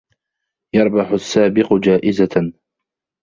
يَرْبَحُ السَّابِقُ جَائِزَةً.